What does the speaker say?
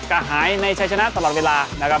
กระหายในชัยชนะตลอดเวลานะครับ